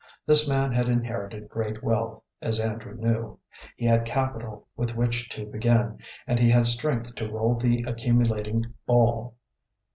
This man had inherited great wealth, as Andrew knew. He had capital with which to begin, and he had strength to roll the accumulating ball.